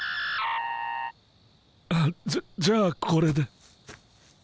あっじゃあこれで。